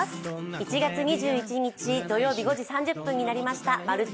１月２１日土曜日５時３０分になりました、「まるっと！